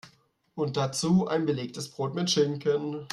Und dazu ein belegtes Brot mit Schinken.